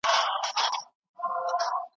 مرکزي کتابتون په بیړه نه بشپړیږي.